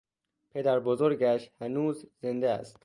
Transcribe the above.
پدر بزرگش هنوز زنده است.